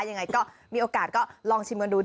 ยังไงก็มีโอกาสก็ลองชิมกันดู